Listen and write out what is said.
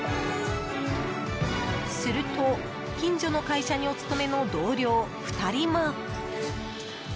すると近所の会社にお勤めの同僚２人も。